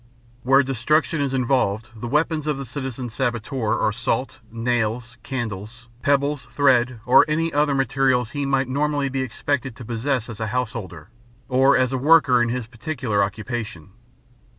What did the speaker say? Where destruction is involved, the weapons of the citizen saboteur are salt, nails, candles, pebbles, thread, or any other materials he might normally be expected to possess as a householder or as a worker in his particular occupation.